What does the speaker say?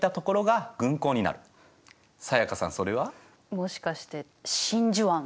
もしかして真珠湾？